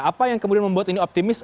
apa yang kemudian membuat ini optimis